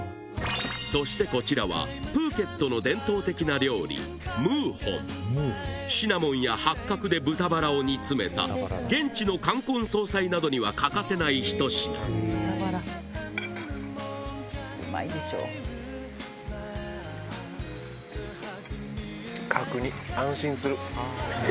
そしてこちらはプーケットの伝統的な料理シナモンや八角で豚バラを煮詰めた現地の冠婚葬祭などには欠かせない一品フフフ！